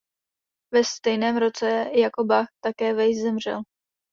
Ve stejném roce jako Bach také Weiss zemřel.